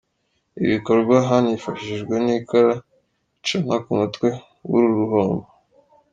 Ibi bikorwa hanifashishijwe n’ikara ricanwa ku mutwe w’uru ruhombo.